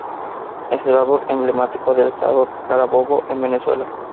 Es el árbol emblemático del Estado Carabobo, en Venezuela.